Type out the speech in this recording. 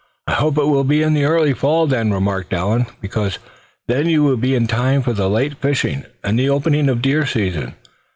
"I hope it will be in the early fall, then," remarked Allan; "because then you would be in time for the late fishing, and the opening of the deer season.